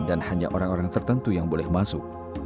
dan hanya orang orang tertentu yang boleh masuk